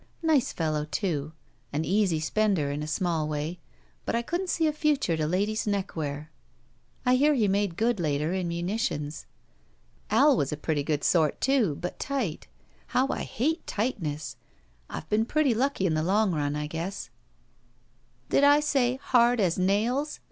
Nice fellow, too — an easy spender in a small way, but I couldn't see a future to ladies' neckwear. I hear he made good later in mtmitions. Al was a pretty good sort, too, but tight. How I hate tight ness ! I've been pretty lucky in the long nm, I guess. '' "Did I say 'hard as nails'?"